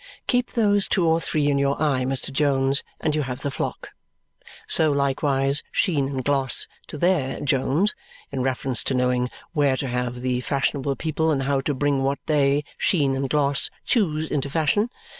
Keep those two or three in your eye, Mr. Jones, and you have the flock." So, likewise, Sheen and Gloss to THEIR Jones, in reference to knowing where to have the fashionable people and how to bring what they (Sheen and Gloss) choose into fashion.